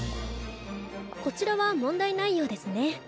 こちらは問題ないようですね。